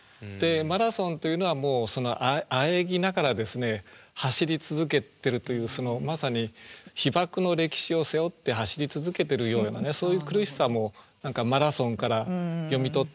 「マラソン」というのはもうあえぎながら走り続けてるというまさに被爆の歴史を背負って走り続けてるようなそういう苦しさも「マラソン」から読み取っていいのかなと。